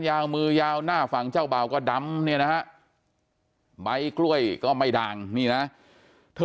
ยาวมือยาวหน้าฝั่งเจ้าบ่าวก็ดำเนี่ยนะฮะใบกล้วยก็ไม่ด่างนี่นะเธอ